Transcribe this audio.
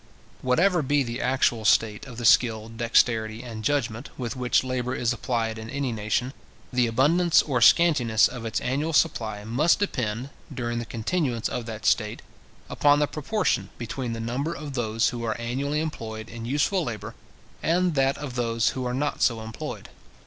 Whatever be the actual state of the skill, dexterity, and judgment, with which labour is applied in any nation, the abundance or scantiness of its annual supply must depend, during the continuance of that state, upon the proportion between the number of those who are annually employed in useful labour, and that of those who are not so employed.